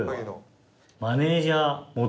マネージャー元。